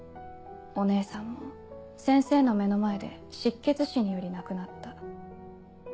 お姉さんも先生の目の前で失血死により亡くなった。